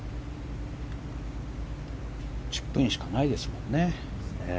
チップインしかないですもんね。